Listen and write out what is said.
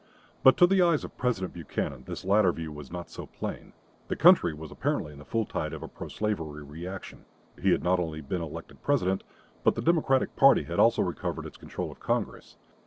But to the eyes of President Buchanan this latter view was not so plain. The country was apparently in the full tide of a pro slavery reaction. He had not only been elected President, but the Democratic party had also recovered its control of Congress.